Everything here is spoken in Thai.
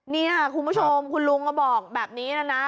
นี่ค่ะคุณผู้ชมคุณลุงก็บอกแบบนี้นะนะ